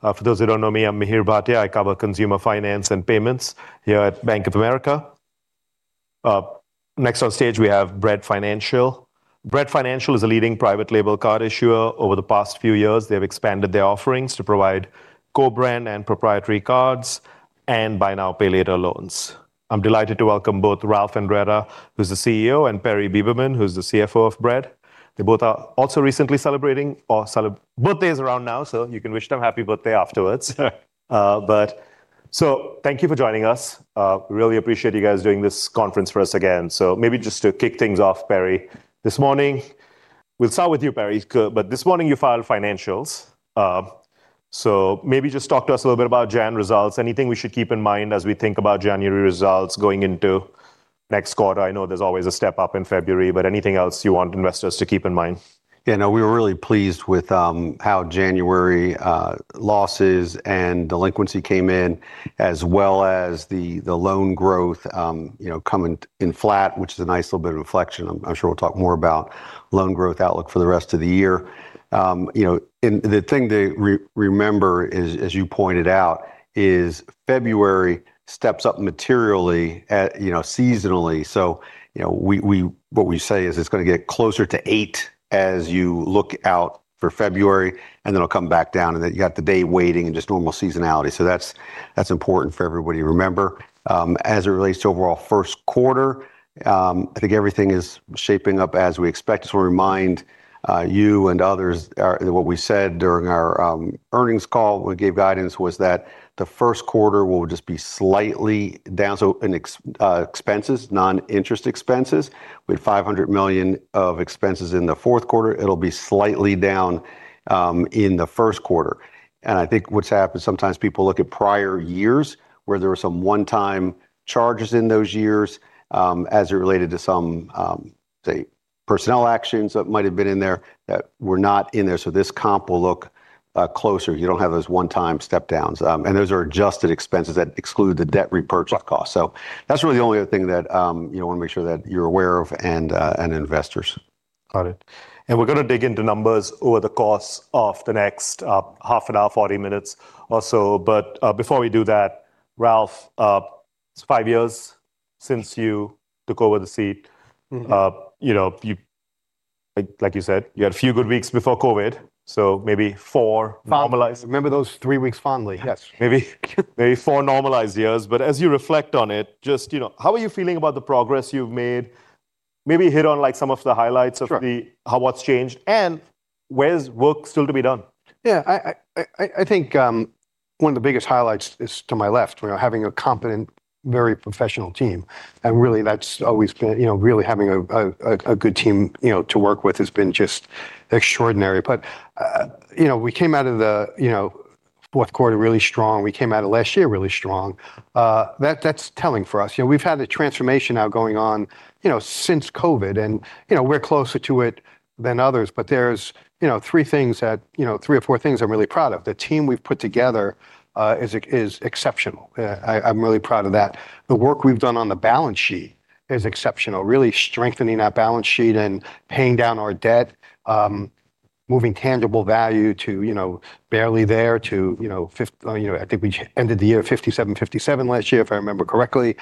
For those who don't know me, I'm Mihir Bhatia. I cover consumer finance and payments here at Bank of America. Next on stage we have Bread Financial. Bread Financial is a leading private label card issuer. Over the past few years, they have expanded their offerings to provide co-brand and proprietary cards, and buy now, pay later loans. I'm delighted to welcome both Ralph Andretta, who's the CEO, and Perry Beberman, who's the CFO of Bread. They both are also recently celebrating birthdays around now, so you can wish them happy birthday afterwards. So thank you for joining us. We really appreciate you guys doing this conference for us again. So maybe just to kick things off, Perry, this morning we'll start with you, Perry, but this morning you filed financials. Maybe just talk to us a little bit about January results, anything we should keep in mind as we think about January results going into next quarter. I know there's always a step up in February, but anything else you want investors to keep in mind? Yeah, no, we were really pleased with how January losses and delinquency came in, as well as the loan growth coming in flat, which is a nice little bit of inflection. I'm sure we'll talk more about loan growth outlook for the rest of the year. The thing to remember, as you pointed out, is February steps up materially, seasonally. So what we say is it's going to get closer to 8 as you look out for February, and then it'll come back down. And then you got the day weighting and just normal seasonality. So that's important for everybody to remember. As it relates to overall first quarter, I think everything is shaping up as we expect. I just want to remind you and others what we said during our earnings call when we gave guidance was that the first quarter will just be slightly down. So in expenses, non-interest expenses, we had $500 million of expenses in the fourth quarter. It'll be slightly down in the first quarter. And I think what's happened, sometimes people look at prior years where there were some one-time charges in those years as it related to some, say, personnel actions that might have been in there that were not in there. So this comp will look closer. You don't have those one-time stepdowns. And those are adjusted expenses that exclude the debt repurchase cost. So that's really the only other thing that I want to make sure that you're aware of and investors. Got it. We're going to dig into numbers over the course of the next half an hour, 40 minutes or so. But before we do that, Ralph, it's five years since you took over the seat. Like you said, you had a few good weeks before COVID, so maybe four normalized. Remember those three weeks fondly, yes. Maybe four normalized years. But as you reflect on it, just how are you feeling about the progress you've made? Maybe hit on some of the highlights of what's changed, and where's work still to be done? Yeah, I think one of the biggest highlights is to my left, having a competent, very professional team. And really, that's always been really having a good team to work with has been just extraordinary. But we came out of the fourth quarter really strong. We came out of last year really strong. That's telling for us. We've had a transformation now going on since COVID, and we're closer to it than others. But there's three things that three or four things I'm really proud of. The team we've put together is exceptional. I'm really proud of that. The work we've done on the balance sheet is exceptional, really strengthening that balance sheet and paying down our debt, moving tangible value to barely there, to I think we ended the year at 57, 57 last year, if I remember correctly.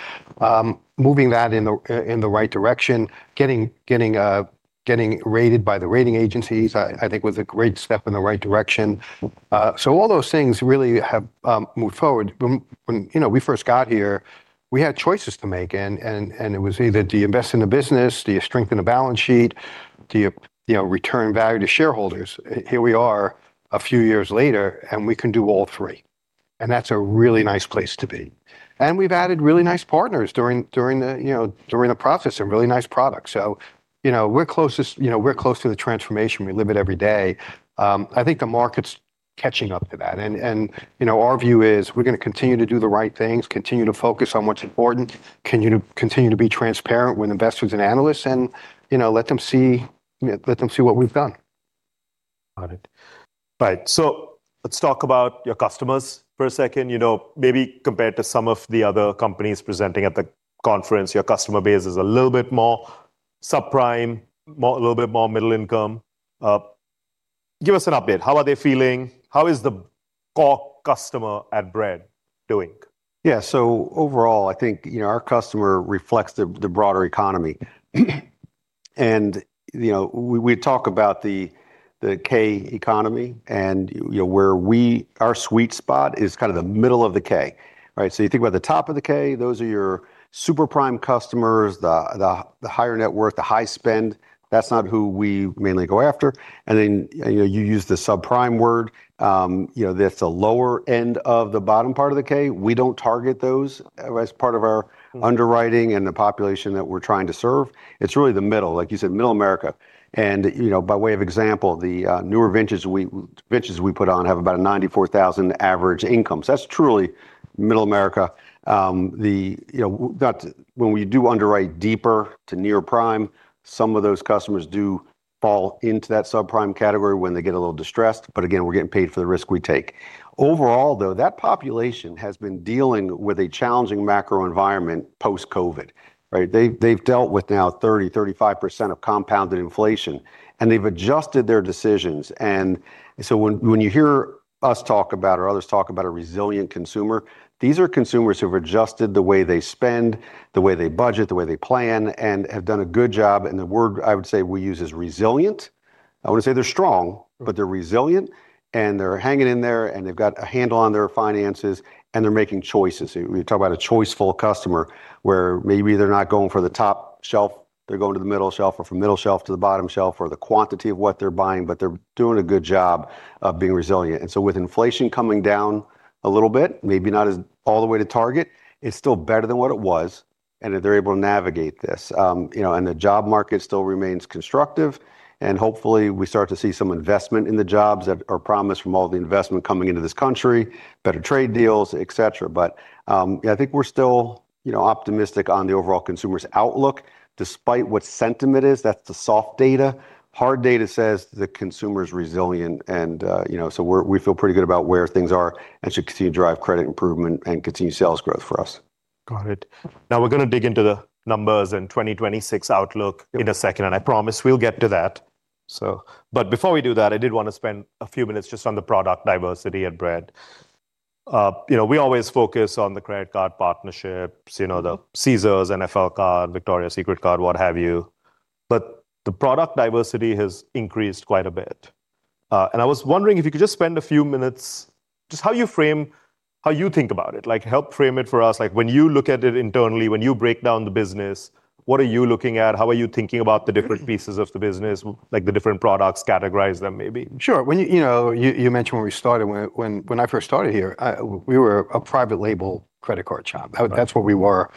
Moving that in the right direction, getting rated by the rating agencies, I think, was a great step in the right direction. So all those things really have moved forward. When we first got here, we had choices to make. It was either do you invest in the business, do you strengthen the balance sheet, do you return value to shareholders. Here we are a few years later, and we can do all three. That's a really nice place to be. We've added really nice partners during the process and really nice products. So we're close to the transformation. We live it every day. I think the market's catching up to that. Our view is we're going to continue to do the right things, continue to focus on what's important, continue to be transparent with investors and analysts, and let them see what we've done. Got it. Right. So let's talk about your customers for a second. Maybe compared to some of the other companies presenting at the conference, your customer base is a little bit more subprime, a little bit more middle income. Give us an update. How are they feeling? How is the core customer at Bread doing? Yeah, so overall, I think our customer reflects the broader economy. And we talk about the K-shaped economy, and where our sweet spot is kind of the middle of the K. So you think about the top of the K, those are your superprime customers, the higher net worth, the high spend. That's not who we mainly go after. And then you use the subprime word. That's the lower end of the bottom part of the K. We don't target those as part of our underwriting and the population that we're trying to serve. It's really the middle, like you said, Middle America. And by way of example, the newer vintages we put on have about a $94,000 average income. So that's truly Middle America. When we do underwrite deeper to near prime, some of those customers do fall into that subprime category when they get a little distressed. But again, we're getting paid for the risk we take. Overall, though, that population has been dealing with a challenging macro environment post-COVID. They've dealt with now 30%-35% of compounded inflation, and they've adjusted their decisions. And so when you hear us talk about or others talk about a resilient consumer, these are consumers who have adjusted the way they spend, the way they budget, the way they plan, and have done a good job. And the word I would say we use is resilient. I want to say they're strong, but they're resilient, and they're hanging in there, and they've got a handle on their finances, and they're making choices. We talk about a choice-full customer where maybe they're not going for the top shelf. They're going to the middle shelf or from middle shelf to the bottom shelf or the quantity of what they're buying, but they're doing a good job of being resilient. And so with inflation coming down a little bit, maybe not all the way to target, it's still better than what it was, and they're able to navigate this. And the job market still remains constructive. And hopefully, we start to see some investment in the jobs that are promised from all the investment coming into this country, better trade deals, et cetera. But I think we're still optimistic on the overall consumer's outlook. Despite what sentiment is, that's the soft data. Hard data says the consumer's resilient. And so we feel pretty good about where things are and should continue to drive credit improvement and continue sales growth for us. Got it. Now we're going to dig into the numbers and 2026 outlook in a second, and I promise we'll get to that. But before we do that, I did want to spend a few minutes just on the product diversity at Bread. We always focus on the credit card partnerships, the Caesars NFL card, Victoria's Secret card, what have you. But the product diversity has increased quite a bit. And I was wondering if you could just spend a few minutes just how you frame how you think about it, help frame it for us. When you look at it internally, when you break down the business, what are you looking at? How are you thinking about the different pieces of the business, the different products, categorize them maybe? Sure. You mentioned when we started, when I first started here, we were a private label credit card shop. That's what we were.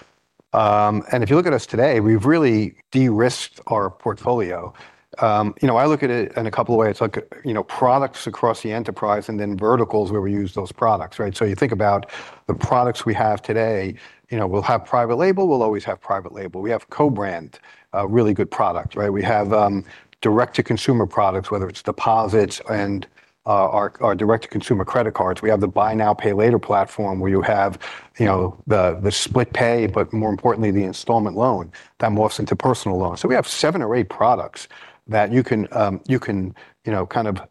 And if you look at us today, we've really de-risked our portfolio. I look at it in a couple of ways. It's like products across the enterprise and then verticals where we use those products. So you think about the products we have today, we'll have private label, we'll always have private label. We have co-brand, really good products. We have direct-to-consumer products, whether it's deposits and our direct-to-consumer credit cards. We have the buy now, pay later platform where you have the SplitPay, but more importantly, the installment loan that morphs into personal loans. So we have seven or eight products that you can kind of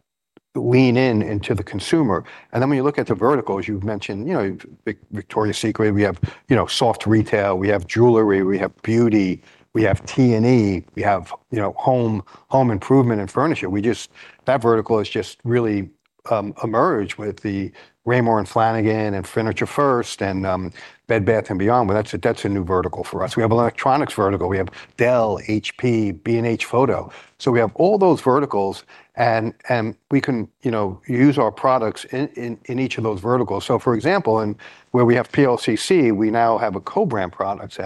lean into the consumer. And then when you look at the verticals, you've mentioned Victoria's Secret. We have soft retail. We have jewelry. We have beauty. We have T&E. We have home improvement and furniture. That vertical has just really emerged with the Raymour & Flanigan and Furniture First and Bed Bath & Beyond. That's a new vertical for us. We have an electronics vertical. We have Dell, HP, B&H Photo. So we have all those verticals, and we can use our products in each of those verticals. So for example, where we have PLCC, we now have a co-brand product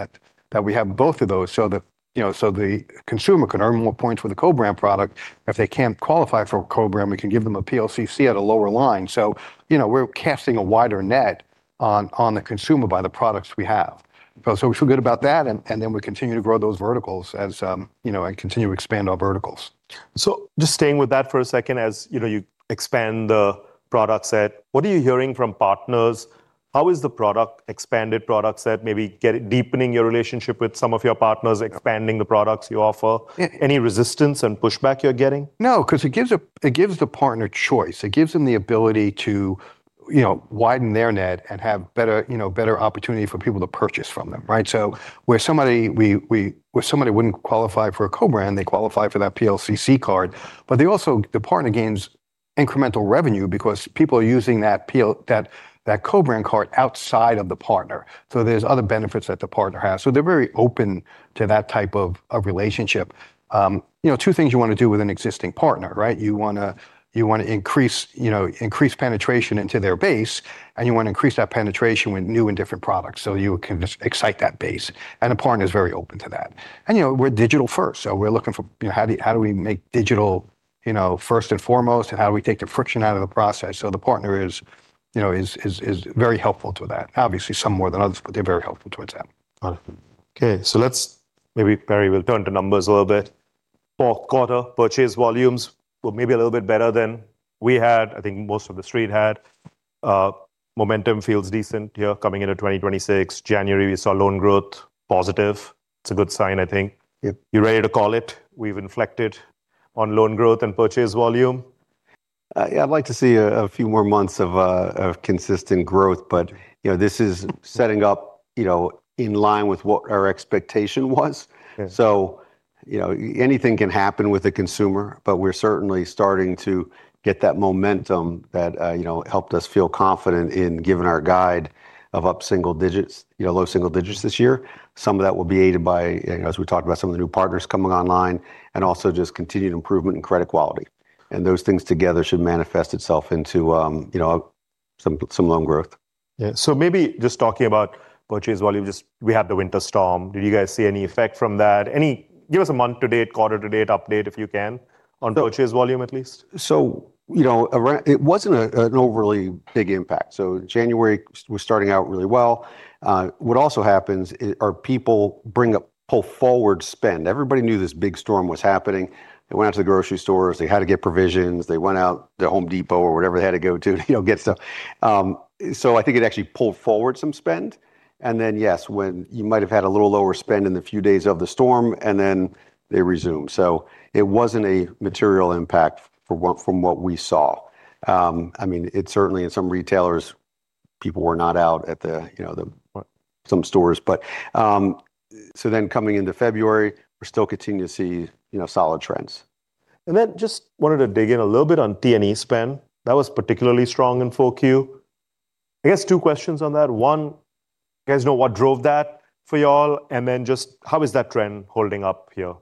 that we have both of those so the consumer can earn more points with a co-brand product. If they can't qualify for a co-brand, we can give them a PLCC at a lower line. So we're casting a wider net on the consumer by the products we have. We feel good about that, and then we continue to grow those verticals and continue to expand our verticals. So just staying with that for a second, as you expand the product set, what are you hearing from partners? How is the expanded product set maybe deepening your relationship with some of your partners, expanding the products you offer? Any resistance and pushback you're getting? No, because it gives the partner choice. It gives them the ability to widen their net and have better opportunity for people to purchase from them. So where somebody wouldn't qualify for a co-brand, they qualify for that PLCC card. But the partner gains incremental revenue because people are using that co-brand card outside of the partner. So there's other benefits that the partner has. So they're very open to that type of relationship. Two things you want to do with an existing partner. You want to increase penetration into their base, and you want to increase that penetration with new and different products so you can excite that base. And the partner is very open to that. And we're digital first, so we're looking for how do we make digital first and foremost, and how do we take the friction out of the process? The partner is very helpful to that. Obviously, some more than others, but they're very helpful towards that. Got it. Okay, so let's maybe, Perry, we'll turn to numbers a little bit. Fourth quarter, purchase volumes were maybe a little bit better than we had. I think most of the street had. Momentum feels decent here coming into 2026. January, we saw loan growth positive. It's a good sign, I think. You're ready to call it. We've inflected on loan growth and purchase volume. Yeah, I'd like to see a few more months of consistent growth, but this is setting up in line with what our expectation was. So anything can happen with the consumer, but we're certainly starting to get that momentum that helped us feel confident in giving our guide of up single digits, low single digits this year. Some of that will be aided by, as we talked about, some of the new partners coming online and also just continued improvement in credit quality. Those things together should manifest itself into some loan growth. Yeah, so maybe just talking about purchase volume, we have the winter storm. Did you guys see any effect from that? Give us a month-to-date, quarter-to-date update, if you can, on purchase volume at least. So it wasn't an overly big impact. So January, we're starting out really well. What also happens are people pull forward spend. Everybody knew this big storm was happening. They went out to the grocery stores. They had to get provisions. They went out to Home Depot or wherever they had to go to get stuff. So I think it actually pulled forward some spend. And then, yes, when you might have had a little lower spend in the few days of the storm, and then they resumed. So it wasn't a material impact from what we saw. I mean, certainly, in some retailers, people were not out at some stores. So then coming into February, we're still continuing to see solid trends. And then just wanted to dig in a little bit on T&E spend. That was particularly strong in 4Q. I guess two questions on that. One, you guys know what drove that for y'all? And then just how is that trend holding up here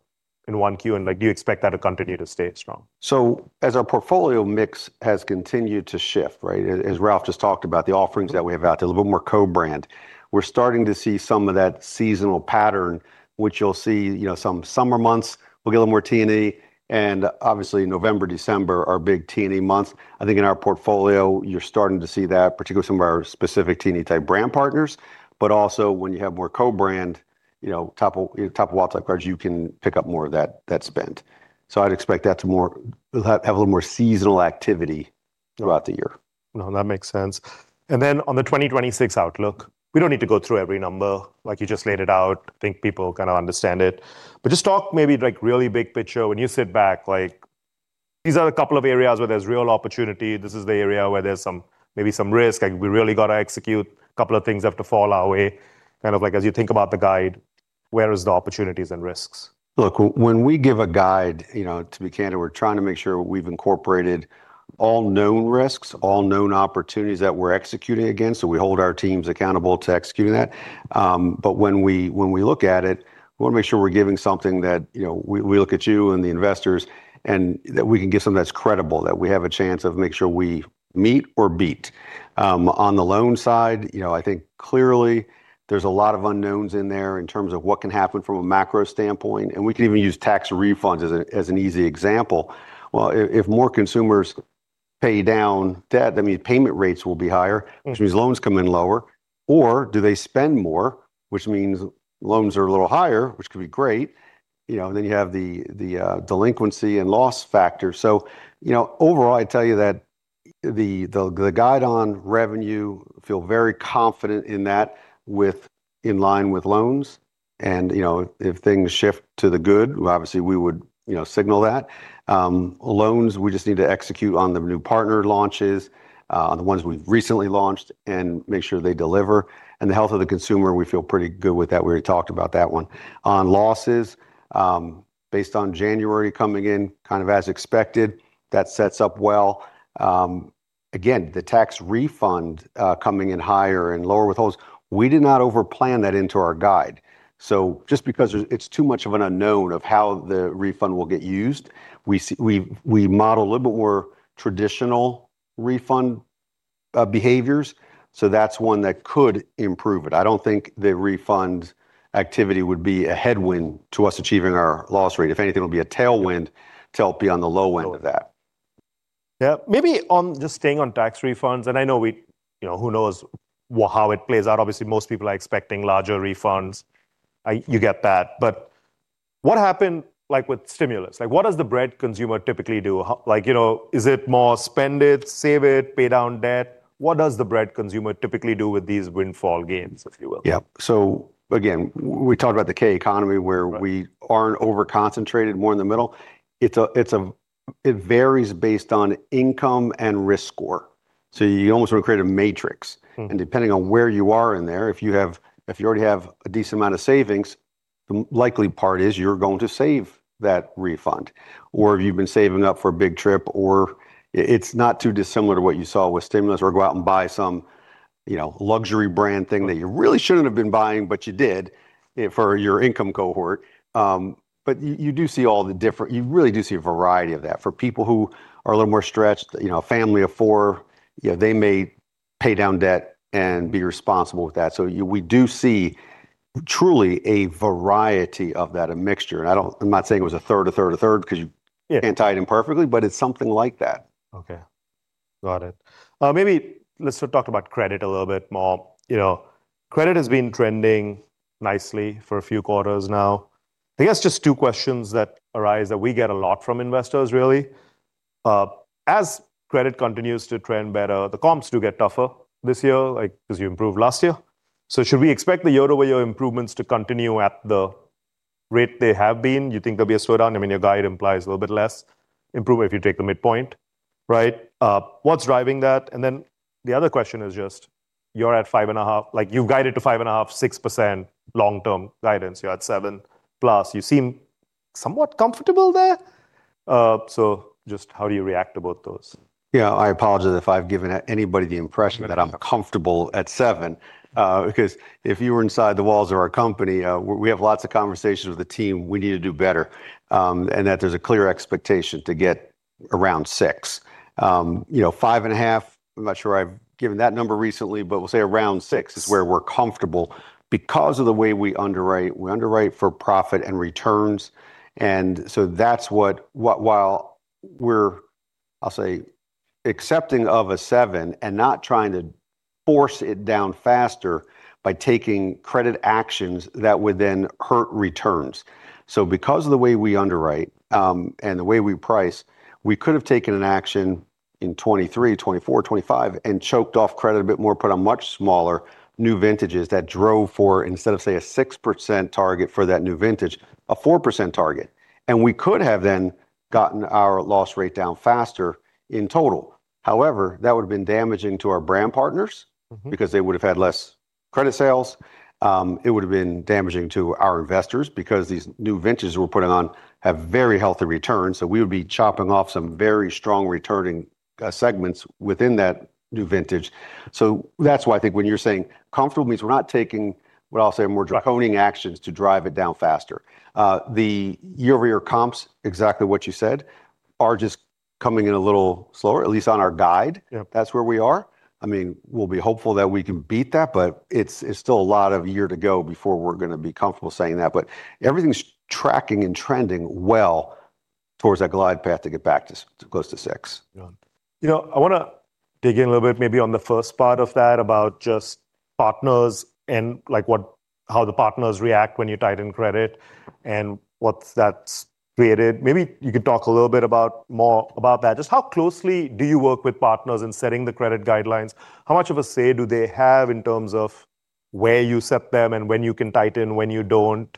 in 1Q? And do you expect that to continue to stay strong? So as our portfolio mix has continued to shift, as Ralph just talked about, the offerings that we have out there, a little bit more co-brand, we're starting to see some of that seasonal pattern, which you'll see some summer months. We'll get a little more T&E. And obviously, November, December are big T&E months. I think in our portfolio, you're starting to see that, particularly some of our specific T&E type brand partners. But also, when you have more co-brand, top of wallet type cards, you can pick up more of that spend. So I'd expect that to have a little more seasonal activity throughout the year. No, that makes sense. And then on the 2026 outlook, we don't need to go through every number. Like you just laid it out, I think people kind of understand it. But just talk maybe really big picture. When you sit back, these are a couple of areas where there's real opportunity. This is the area where there's maybe some risk. We really got to execute. A couple of things have to fall our way. Kind of like as you think about the guide, where are the opportunities and risks? Look, when we give a guide, to be candid, we're trying to make sure we've incorporated all known risks, all known opportunities that we're executing against. So we hold our teams accountable to executing that. But when we look at it, we want to make sure we're giving something that we look at you and the investors and that we can give something that's credible, that we have a chance of making sure we meet or beat. On the loan side, I think clearly, there's a lot of unknowns in there in terms of what can happen from a macro standpoint. And we can even use tax refunds as an easy example. Well, if more consumers pay down debt, that means payment rates will be higher, which means loans come in lower. Or do they spend more, which means loans are a little higher, which could be great? And then you have the delinquency and loss factor. So overall, I'd tell you that the guide on revenue, feel very confident in that in line with loans. And if things shift to the good, obviously, we would signal that. Loans, we just need to execute on the new partner launches, on the ones we've recently launched, and make sure they deliver. And the health of the consumer, we feel pretty good with that. We already talked about that one. On losses, based on January coming in, kind of as expected, that sets up well. Again, the tax refund coming in higher and lower withholds, we did not overplan that into our guide. So just because it's too much of an unknown of how the refund will get used, we model a little bit more traditional refund behaviors. So that's one that could improve it. I don't think the refund activity would be a headwind to us achieving our loss rate. If anything, it'll be a tailwind to help be on the low end of that. Yeah, maybe just staying on tax refunds. And I know who knows how it plays out. Obviously, most people are expecting larger refunds. You get that. But what happened with stimulus? What does the Bread consumer typically do? Is it more spend it, save it, pay down debt? What does the Bread consumer typically do with these windfall gains, if you will? Yeah, so again, we talked about the K-shaped economy where we aren't over-concentrated, more in the middle. It varies based on income and risk score. So you almost want to create a matrix. And depending on where you are in there, if you already have a decent amount of savings, the likely part is you're going to save that refund. Or if you've been saving up for a big trip, or it's not too dissimilar to what you saw with stimulus or go out and buy some luxury brand thing that you really shouldn't have been buying, but you did for your income cohort. But you do see all the different you really do see a variety of that. For people who are a little more stretched, a family of four, they may pay down debt and be responsible with that. So we do see truly a variety of that, a mixture. And I'm not saying it was a third, a third, a third because you can't tie it in perfectly, but it's something like that. Okay, got it. Maybe let's talk about credit a little bit more. Credit has been trending nicely for a few quarters now. I guess just two questions that arise that we get a lot from investors, really. As credit continues to trend better, the comps do get tougher this year because you improved last year. So should we expect the year-over-year improvements to continue at the rate they have been? You think there'll be a slowdown? I mean, your guide implies a little bit less improvement if you take the midpoint. What's driving that? And then the other question is just, you're at 5.5%. You've guided to 5.5%, 6% long-term guidance. You're at 7%+. You seem somewhat comfortable there. So just how do you react about those? Yeah, I apologize if I've given anybody the impression that I'm comfortable at 7% because if you were inside the walls of our company, we have lots of conversations with the team. We need to do better and that there's a clear expectation to get around 6%. 5.5%, I'm not sure I've given that number recently, but we'll say around 6% is where we're comfortable because of the way we underwrite. We underwrite for profit and returns. And so that's what, while we're, I'll say, accepting of a 7% and not trying to force it down faster by taking credit actions that would then hurt returns. So because of the way we underwrite and the way we price, we could have taken an action in 2023, 2024, 2025, and choked off credit a bit more, put on much smaller new vintages that drove for, instead of, say, a 6% target for that new vintage, a 4% target. And we could have then gotten our loss rate down faster in total. However, that would have been damaging to our brand partners because they would have had less credit sales. It would have been damaging to our investors because these new vintages we're putting on have very healthy returns. So we would be chopping off some very strong returning segments within that new vintage. So that's why I think when you're saying comfortable means we're not taking, what I'll say, more draconian actions to drive it down faster. The year-over-year comps, exactly what you said, are just coming in a little slower, at least on our guide. That's where we are. I mean, we'll be hopeful that we can beat that, but it's still a lot of year to go before we're going to be comfortable saying that. But everything's tracking and trending well towards that glide path to get back to close to 6%. Got it. I want to dig in a little bit maybe on the first part of that about just partners and how the partners react when you tighten credit and what that's created. Maybe you could talk a little bit more about that. Just how closely do you work with partners in setting the credit guidelines? How much of a say do they have in terms of where you set them and when you can tighten and when you don't?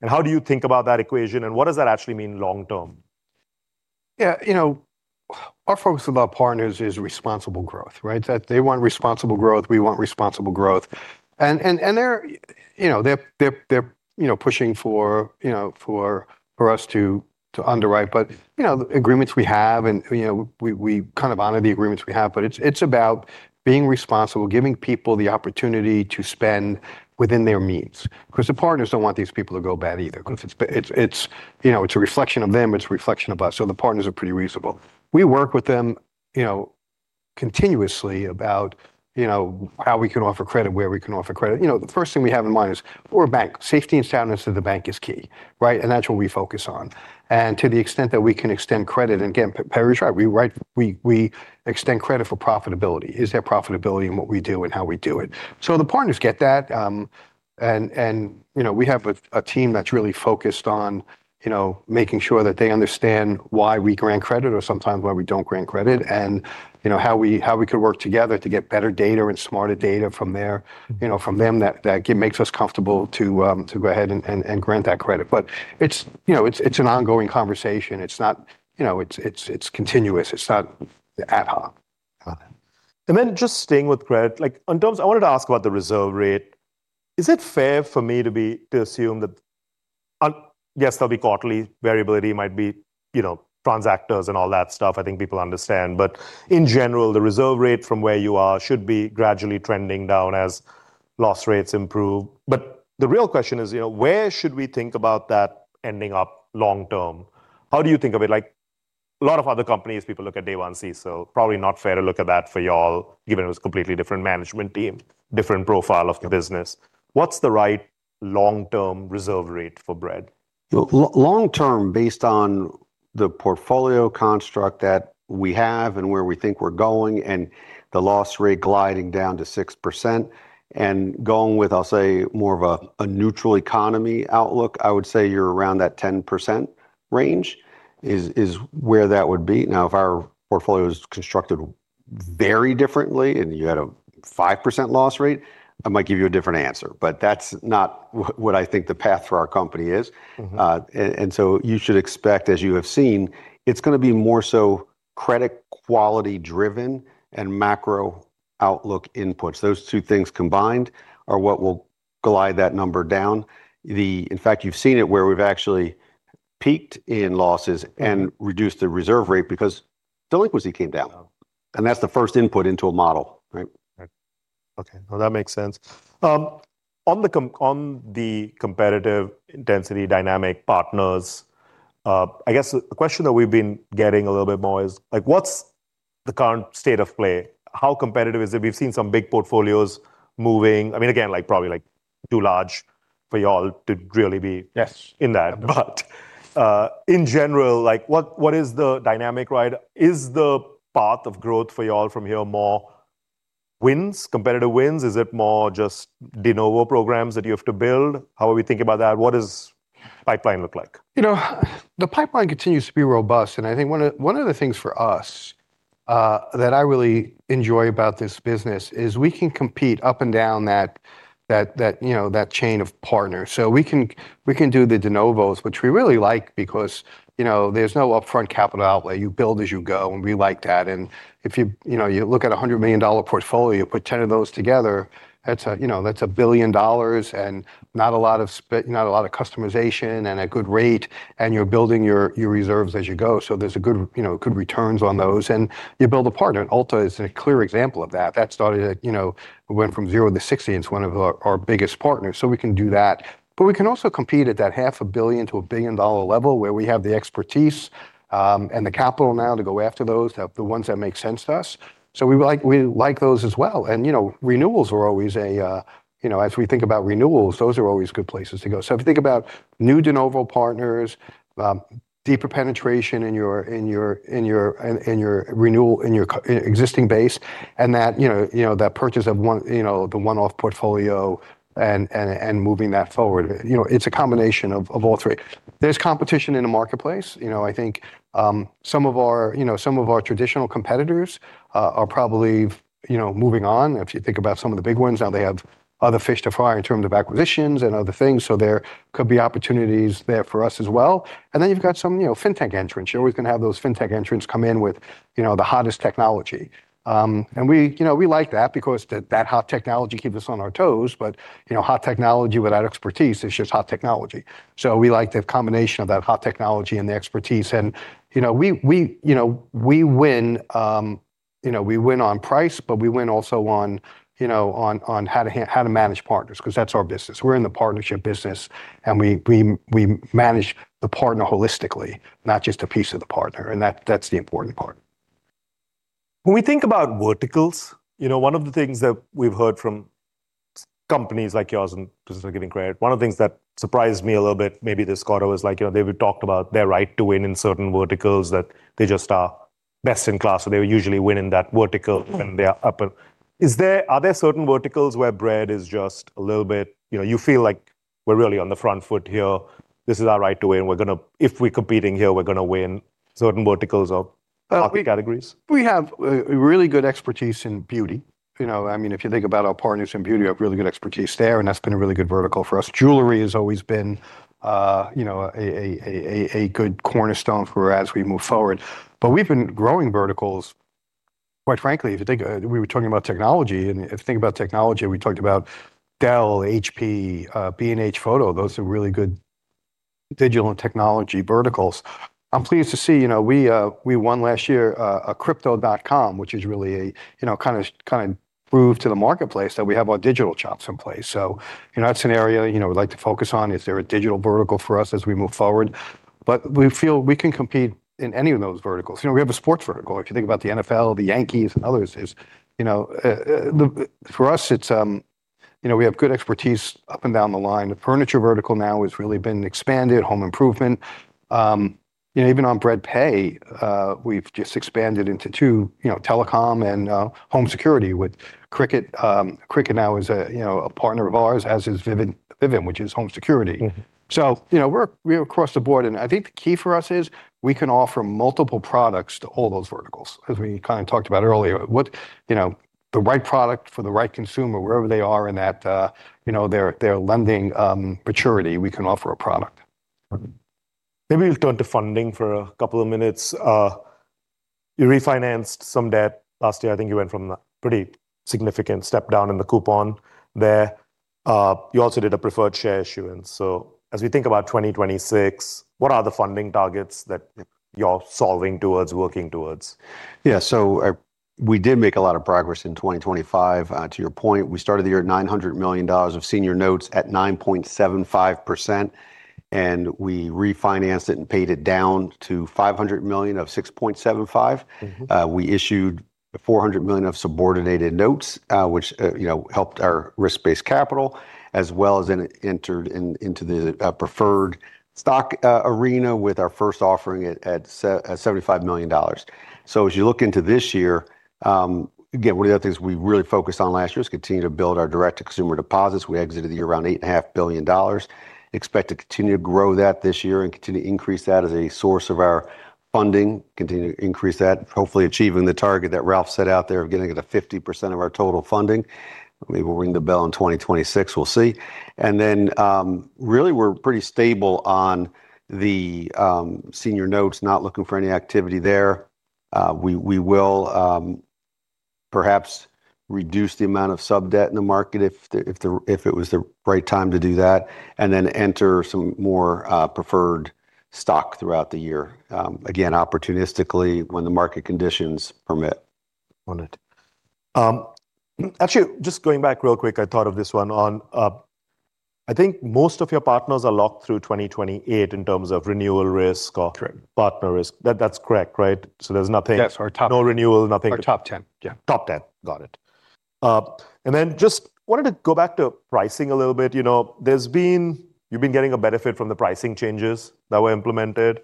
And how do you think about that equation? And what does that actually mean long-term? Yeah, our focus with our partners is responsible growth. They want responsible growth. We want responsible growth. They're pushing for us to underwrite. The agreements we have, and we kind of honor the agreements we have, but it's about being responsible, giving people the opportunity to spend within their means because the partners don't want these people to go bad either. Because it's a reflection of them. It's a reflection of us. The partners are pretty reasonable. We work with them continuously about how we can offer credit, where we can offer credit. The first thing we have in mind is we're a bank. Safety and soundness of the bank is key. That's what we focus on. To the extent that we can extend credit, and again, Perry's right, we extend credit for profitability. Is there profitability in what we do and how we do it? So the partners get that. And we have a team that's really focused on making sure that they understand why we grant credit or sometimes why we don't grant credit and how we could work together to get better data and smarter data from them that makes us comfortable to go ahead and grant that credit. But it's an ongoing conversation. It's continuous. It's not the ad hoc. Got it. And then just staying with credit, I wanted to ask about the reserve rate. Is it fair for me to assume that, yes, there'll be quarterly variability, might be transactors and all that stuff. I think people understand. But in general, the reserve rate from where you are should be gradually trending down as loss rates improve. But the real question is, where should we think about that ending up long-term? How do you think of it? A lot of other companies, people look at day one CECL. Probably not fair to look at that for y'all, given it was a completely different management team, different profile of the business. What's the right long-term reserve rate for Bread? Long-term, based on the portfolio construct that we have and where we think we're going and the loss rate gliding down to 6% and going with, I'll say, more of a neutral economy outlook, I would say you're around that 10% range is where that would be. Now, if our portfolio was constructed very differently and you had a 5% loss rate, I might give you a different answer. But that's not what I think the path for our company is. And so you should expect, as you have seen, it's going to be more so credit quality-driven and macro outlook inputs. Those two things combined are what will glide that number down. In fact, you've seen it where we've actually peaked in losses and reduced the reserve rate because delinquency came down. And that's the first input into a model. Okay, well, that makes sense. On the competitive intensity dynamic partners, I guess the question that we've been getting a little bit more is, what's the current state of play? How competitive is it? We've seen some big portfolios moving. I mean, again, probably too large for y'all to really be in that. But in general, what is the dynamic, right? Is the path of growth for y'all from here more wins, competitive wins? Is it more just de novo programs that you have to build? How are we thinking about that? What does the pipeline look like? The pipeline continues to be robust. I think one of the things for us that I really enjoy about this business is we can compete up and down that chain of partners. We can do the de novos, which we really like because there's no upfront capital outlay. You build as you go. We like that. If you look at a $100 million portfolio, you put 10 of those together, that's billion dollars and not a lot of customization and a good rate. You're building your reserves as you go. There's good returns on those. You build a partner. Ulta is a clear example of that. That started and went from 0 to 60. It's one of our biggest partners. We can do that. But we can also compete at that $500 million-$1 billion level where we have the expertise and the capital now to go after those, the ones that make sense to us. So we like those as well. And renewals are always as we think about renewals, those are always good places to go. So if you think about new de novo partners, deeper penetration in your existing base, and that purchase of the one-off portfolio and moving that forward, it's a combination of all three. There's competition in the marketplace. I think some of our traditional competitors are probably moving on. If you think about some of the big ones, now they have other fish to fry in terms of acquisitions and other things. So there could be opportunities there for us as well. And then you've got some fintech entrants. You're always going to have those fintech entrants come in with the hottest technology. And we like that because that hot technology keeps us on our toes. But hot technology without expertise, it's just hot technology. So we like the combination of that hot technology and the expertise. And we win. We win on price, but we win also on how to manage partners because that's our business. We're in the partnership business. And we manage the partner holistically, not just a piece of the partner. And that's the important part. When we think about verticals, one of the things that we've heard from companies like yours and businesses for giving credit, one of the things that surprised me a little bit, maybe this quarter, was like, they've talked about their right to win in certain verticals, that they just are best in class. So they usually win in that vertical when they're up. Are there certain verticals where Bread is just a little bit, you feel like, we're really on the front foot here? This is our right to win. If we're competing here, we're going to win certain verticals or categories? We have really good expertise in beauty. I mean, if you think about our partners in beauty, we have really good expertise there. That's been a really good vertical for us. Jewelry has always been a good cornerstone for us as we move forward. We've been growing verticals, quite frankly. If you think we were talking about technology. If you think about technology, we talked about Dell, HP, B&H Photo. Those are really good digital and technology verticals. I'm pleased to see we won last year a Crypto.com, which is really kind of proved to the marketplace that we have our digital chops in place. So that's an area we'd like to focus on. Is there a digital vertical for us as we move forward? We feel we can compete in any of those verticals. We have a sports vertical. If you think about the NFL, the Yankees, and others, for us, we have good expertise up and down the line. The furniture vertical now has really been expanded, home improvement. Even on Bread Pay, we've just expanded into two, telecom and home security with Cricket. Cricket now is a partner of ours, has its Vivint, which is home security. So we're across the board. And I think the key for us is we can offer multiple products to all those verticals, as we kind of talked about earlier. The right product for the right consumer, wherever they are in their lending maturity, we can offer a product. Maybe we'll turn to funding for a couple of minutes. You refinanced some debt last year. I think you went from a pretty significant step down in the coupon there. You also did a preferred share issuance. So as we think about 2026, what are the funding targets that you're solving towards, working towards? Yeah, so we did make a lot of progress in 2025. To your point, we started the year at $900 million of senior notes at 9.75%. We refinanced it and paid it down to $500 million of 6.75%. We issued $400 million of subordinated notes, which helped our risk-based capital, as well as entered into the preferred stock arena with our first offering at $75 million. So as you look into this year, again, one of the other things we really focused on last year is continuing to build our direct-to-consumer deposits. We exited the year around $8.5 billion. Expect to continue to grow that this year and continue to increase that as a source of our funding, continue to increase that, hopefully achieving the target that Ralph set out there of getting at 50% of our total funding. Maybe we'll ring the bell in 2026. We'll see. And then really, we're pretty stable on the senior notes, not looking for any activity there. We will perhaps reduce the amount of subdebt in the market if it was the right time to do that and then enter some more preferred stock throughout the year, again, opportunistically when the market conditions permit. Got it. Actually, just going back real quick, I thought of this one. I think most of your partners are locked through 2028 in terms of renewal risk or partner risk. That's correct, right? So there's no renewal, nothing? Our top 10. Top 10. Got it. And then just wanted to go back to pricing a little bit. You've been getting a benefit from the pricing changes that were implemented.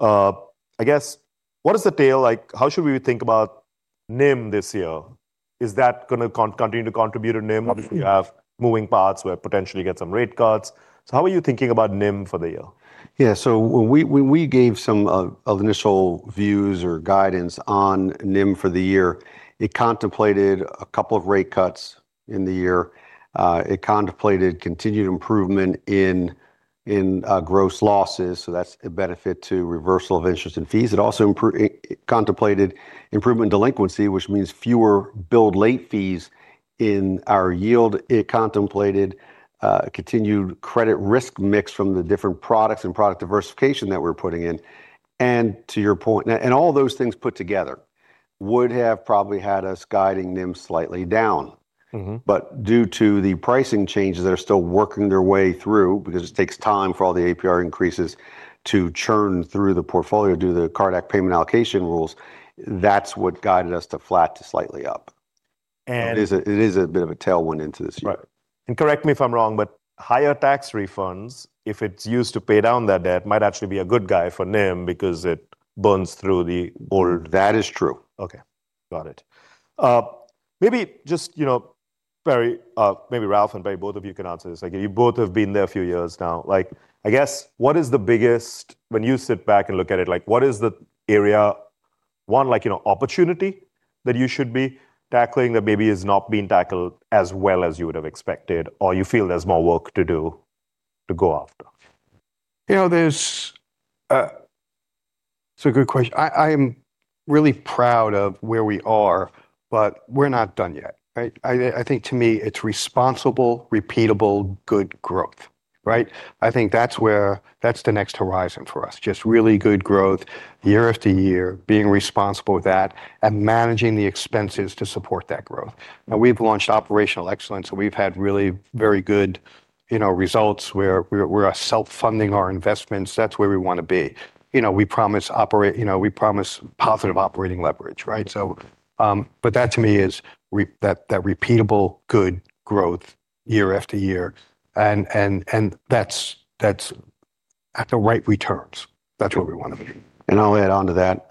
I guess, what is the tail? How should we think about NIM this year? Is that going to continue to contribute to NIM? Obviously, you have moving parts where potentially you get some rate cuts. So how are you thinking about NIM for the year? Yeah, so when we gave some initial views or guidance on NIM for the year, it contemplated a couple of rate cuts in the year. It contemplated continued improvement in gross losses. So that's a benefit to reversal of interest and fees. It also contemplated improvement in delinquency, which means fewer build-late fees in our yield. It contemplated continued credit risk mix from the different products and product diversification that we're putting in. And to your point, and all those things put together would have probably had us guiding NIM slightly down. But due to the pricing changes that are still working their way through because it takes time for all the APR increases to churn through the portfolio, do the CARD Act payment allocation rules, that's what guided us to flat to slightly up. But it is a bit of a tailwind into this year. Correct me if I'm wrong, but higher tax refunds, if it's used to pay down that debt, might actually be a good guy for NIM because it burns through the old? That is true. Okay, got it. Maybe just, Perry, maybe Ralph and Perry, both of you can answer this. You both have been there a few years now. I guess, what is the biggest, when you sit back and look at it, what is the area, one, opportunity that you should be tackling that maybe has not been tackled as well as you would have expected or you feel there's more work to do to go after? It's a good question. I am really proud of where we are, but we're not done yet. I think, to me, it's responsible, repeatable, good growth. I think that's the next horizon for us, just really good growth year after year, being responsible with that and managing the expenses to support that growth. Now, we've launched operational excellence. So we've had really very good results where we're self-funding our investments. That's where we want to be. We promise positive operating leverage. But that, to me, is that repeatable, good growth year after year. And that's at the right returns. That's where we want to be. And I'll add on to that.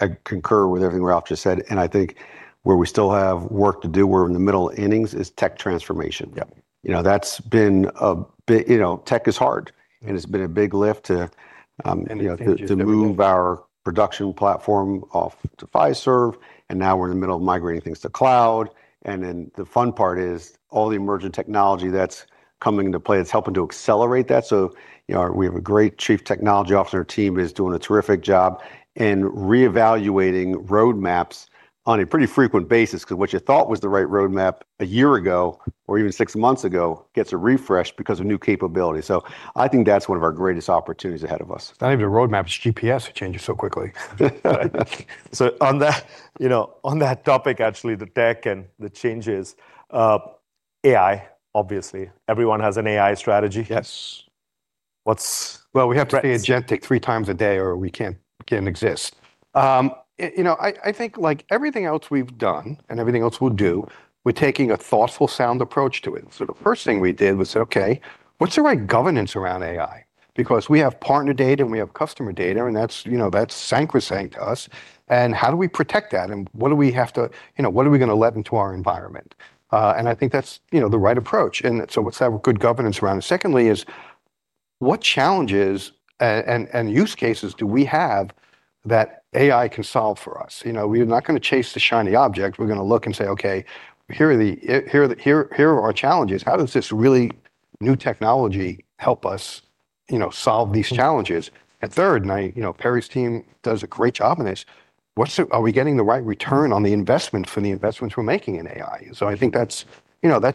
I concur with everything Ralph just said. And I think where we still have work to do, we're in the middle of innings is tech transformation. That's been a tech is hard. And it's been a big lift to move our production platform off to Fiserv. And now we're in the middle of migrating things to cloud. And then the fun part is all the emerging technology that's coming into play that's helping to accelerate that. So we have a great Chief Technology Officer on our team who is doing a terrific job in reevaluating roadmaps on a pretty frequent basis because what you thought was the right roadmap a year ago or even six months ago gets a refresh because of new capabilities. So I think that's one of our greatest opportunities ahead of us. Not even a roadmap. It's GPS that changes so quickly. So on that topic, actually, the tech and the changes, AI, obviously. Everyone has an AI strategy. Yes. What's? Well, we have to stay agentic 3x a day or we can't exist. I think everything else we've done and everything else we'll do, we're taking a thoughtful, sound approach to it. So the first thing we did was say, "OK, what's the right governance around AI?" Because we have partner data and we have customer data. That's sacrosanct to us. How do we protect that? What are we going to let into our environment? I think that's the right approach. So what's that good governance around it? Secondly, what challenges and use cases do we have that AI can solve for us? We are not going to chase the shiny object. We're going to look and say, "OK, here are our challenges. How does this really new technology help us solve these challenges?" And third, and Perry's team does a great job on this, are we getting the right return on the investments for the investments we're making in AI? So I think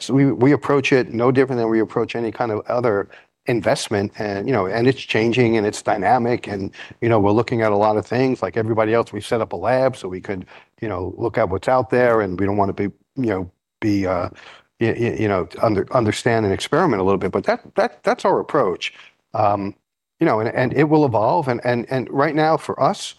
we approach it no different than we approach any kind of other investment. And it's changing. And it's dynamic. And we're looking at a lot of things. Like everybody else, we set up a lab so we could look at what's out there. And we don't want to understand and experiment a little bit. But that's our approach. And it will evolve. And right now, for us,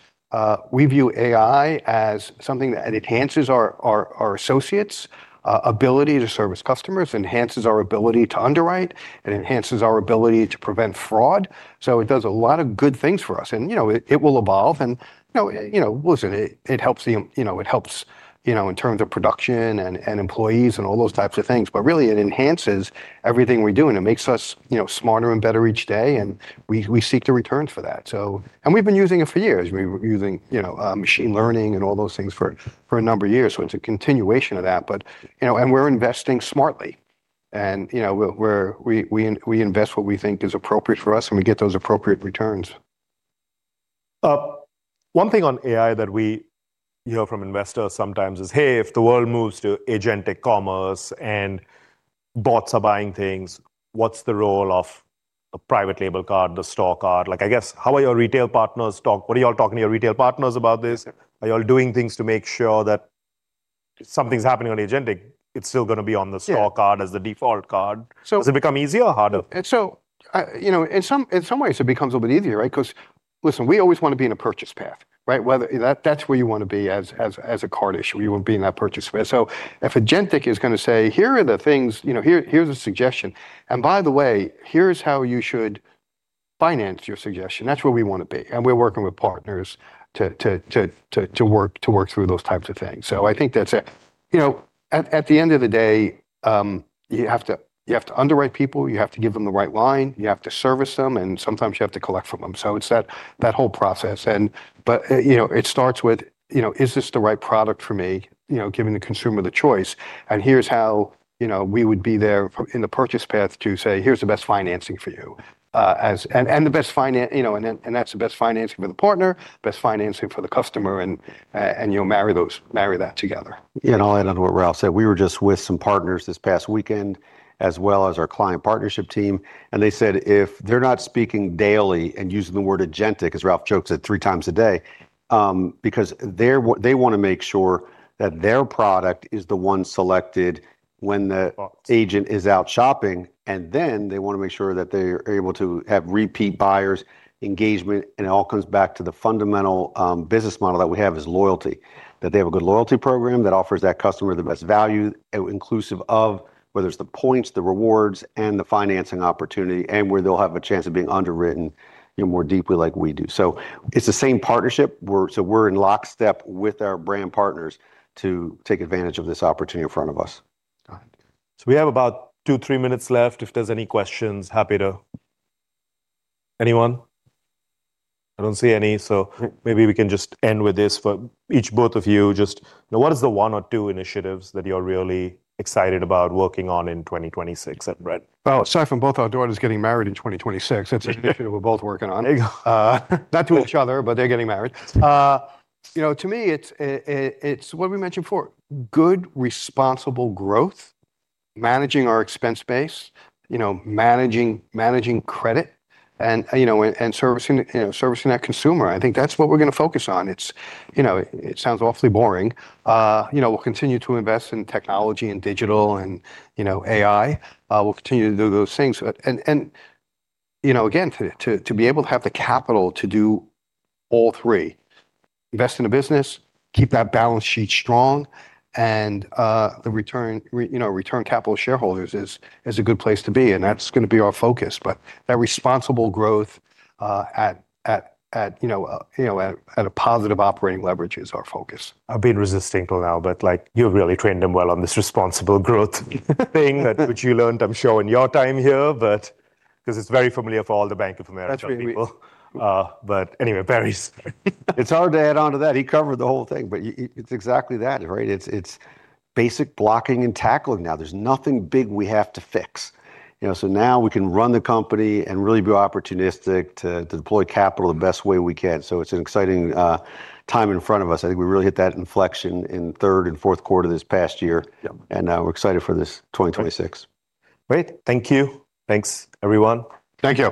we view AI as something that enhances our associates' ability to service customers, enhances our ability to underwrite, and enhances our ability to prevent fraud. So it does a lot of good things for us. And it will evolve. And listen, it helps in terms of production and employees and all those types of things. But really, it enhances everything we do. And it makes us smarter and better each day. And we seek the returns for that. And we've been using it for years. We've been using machine learning and all those things for a number of years. So it's a continuation of that. And we're investing smartly. And we invest what we think is appropriate for us. And we get those appropriate returns. One thing on AI that we hear from investors sometimes is, "Hey, if the world moves to Agentic Commerce and bots are buying things, what's the role of the private label card, the store card?" I guess, how are your retail partners talking? What are you all talking to your retail partners about this? Are you all doing things to make sure that something's happening on Agentic, it's still going to be on the store card as the default card? Has it become easier or harder? So in some ways, it becomes a little bit easier because, listen, we always want to be in a purchase path. That's where you want to be as a card issuer. You want to be in that purchase path. So if agentic is going to say, "Here are the things. Here's a suggestion. And by the way, here's how you should finance your suggestion." That's where we want to be. And we're working with partners to work through those types of things. So I think that's it. At the end of the day, you have to underwrite people. You have to give them the right line. You have to service them. And sometimes you have to collect from them. So it's that whole process. But it starts with, is this the right product for me, giving the consumer the choice? And here's how we would be there in the purchase path to say, "Here's the best financing for you." And that's the best financing for the partner, best financing for the customer. And you'll marry that together. And I'll add on to what Ralph said. We were just with some partners this past weekend, as well as our client partnership team. And they said, if they're not speaking daily and using the word agentic, as Ralph jokes at 3x a day, because they want to make sure that their product is the one selected when the agent is out shopping. And then they want to make sure that they are able to have repeat buyers, engagement. And it all comes back to the fundamental business model that we have is loyalty, that they have a good loyalty program that offers that customer the best value, inclusive of whether it's the points, the rewards, and the financing opportunity, and where they'll have a chance of being underwritten more deeply like we do. So it's the same partnership. We're in lockstep with our brand partners to take advantage of this opportunity in front of us. Got it. So we have about two, three minutes left. If there's any questions, happy to anyone? I don't see any. Maybe we can just end with this for each both of you. Just what is the one or two initiatives that you're really excited about working on in 2026 at Bread? Oh, sorry if I'm both our daughters. It's getting married in 2026. That's an initiative we're both working on, not to each other, but they're getting married. To me, it's what we mentioned before, good, responsible growth, managing our expense base, managing credit, and servicing that consumer. I think that's what we're going to focus on. It sounds awfully boring. We'll continue to invest in technology and digital and AI. We'll continue to do those things. And again, to be able to have the capital to do all three, invest in a business, keep that balance sheet strong, and return capital to shareholders is a good place to be. And that's going to be our focus. But that responsible growth at a positive operating leverage is our focus. I've been resisting till now. But you've really trained them well on this responsible growth thing which you learned, I'm sure, in your time here because it's very familiar for all the Bank of America people. But anyway, Perry. It's hard to add on to that. He covered the whole thing. But it's exactly that, right? It's basic blocking and tackling now. There's nothing big we have to fix. So now we can run the company and really be opportunistic to deploy capital the best way we can. So it's an exciting time in front of us. I think we really hit that inflection in third and fourth quarter this past year. And we're excited for this 2026. Great. Thank you. Thanks, everyone. Thank you.